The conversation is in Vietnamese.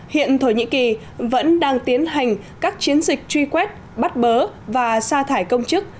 hiện thổ nhĩ kỳ vẫn đang tiến hành các chiến dịch truy quét bắt bớ và xa thải công chức